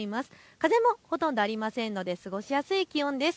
風もほとんどありませんので過ごしやすい気温です。